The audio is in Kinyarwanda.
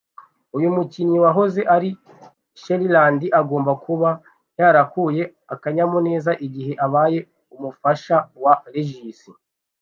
Uyu mukinnyi wahoze ari cheerleader agomba kuba yarekuye akanyamuneza igihe abaye umufasha wa Regis Philbin